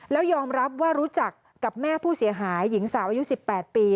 แล้วยอมรับว่ารู้จักกับแม่ผู้เสียหายหญิงสาวอายุ๑๘ปี